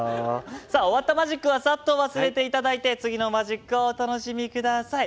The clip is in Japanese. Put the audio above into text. さあ終わったマジックはさっと忘れていただいて次のマジックをお楽しみください。